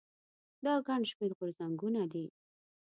دا ګڼ شمېر غورځنګونه دي.